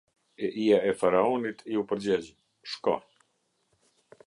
E ija e Faraonit iu përgjegj: "Shko".